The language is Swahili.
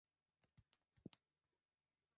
Iliweza kugawiwa na kuwa na idara mbili tofauti